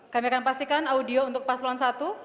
kami akan pastikan audio untuk pas lon satu